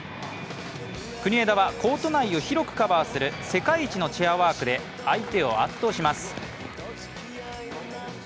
国枝は、コート内を広くカバーする世界一のチェアワークで相手を圧倒します。